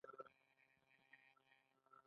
د میرمنو کار د کورنۍ پیاوړتیا لامل ګرځي.